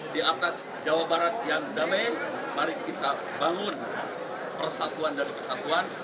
di atas jawa barat yang damai mari kita bangun persatuan dan kesatuan